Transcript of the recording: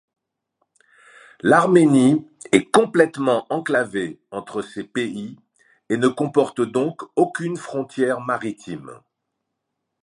L'Arménie est complètement enclavée entre ces pays et ne comporte donc aucune frontière maritime.